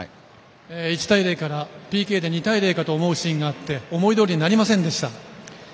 １対１からＰＫで２対０かと思うシーンがあって思いどおりになりませんでした。